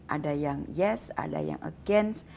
ada yang yes ada yang against